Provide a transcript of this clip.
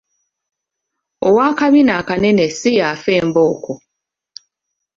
Ow'akabina akanene si y'afa embooko.